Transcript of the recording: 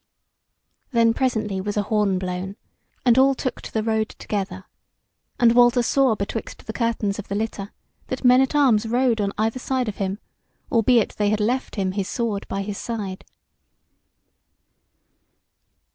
Then presently was a horn blown, and all took to the road together; and Walter saw betwixt the curtains of the litter that men at arms rode on either side of him, albeit they had left him his sword by his side.